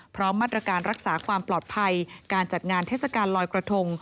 พร้อมมาตรการรักษาความปลอดภัยการจัดงานเทศกาลลอยกระทง